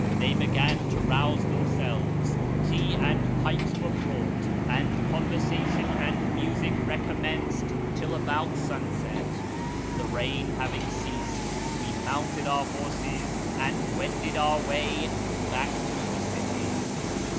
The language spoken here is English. they began to rouse themselves ; tea and pipes were brought, and conversation and music recommenced till about sunset. The rain having ceased, we mounted our horses and wended our way back to the city.